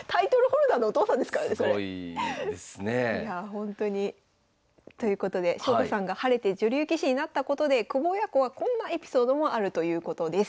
いやあほんとに。ということで翔子さんが晴れて女流棋士になったことで久保親子はこんなエピソードもあるということです。